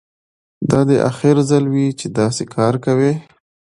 دا دې اخر ځل وي چې داسې کار کوې